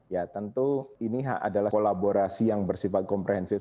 ya tentu ini adalah kolaborasi yang bersifat komprehensif